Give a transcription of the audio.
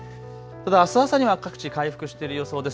ただあす朝には各地回復している予想です。